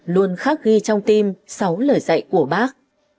luôn khắc ghi trong tim sáu lời dạy của bác